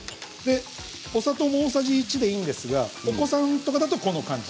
お砂糖も大さじ１でいいんですがお子さんとかだとこの感じ。